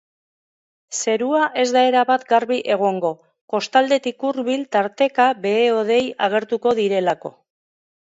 Zerua ez da erabat garbi egongo, kostaldetik hurbil tarteka behe-hodei agertuko direlako.